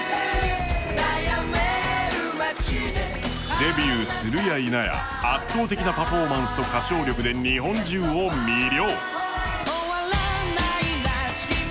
デビューするやいなや圧倒的なパフォーマンスと歌唱力で日本中を魅了。